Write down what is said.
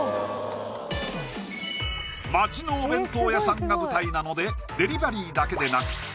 街のお弁当屋さんが舞台なのでデリバリーだけでなく店頭でも販売